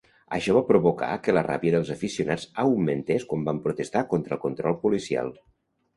Això va provocar que la ràbia dels aficionats augmentés quan van protestar contra el control policial.